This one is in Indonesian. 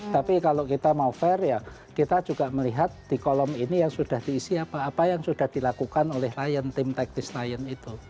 tapi kalau kita mau fair ya kita juga melihat di kolom ini yang sudah diisi apa apa yang sudah dilakukan oleh lion team teknis lion itu